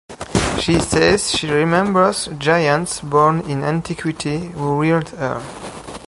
She says she remembers giants born in antiquity who reared her.